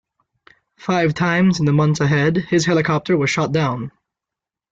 Five times in the months ahead, his helicopter was shot down.